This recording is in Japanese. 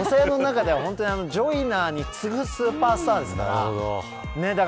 女性の中ではジョイナーに次ぐスーパースターですから。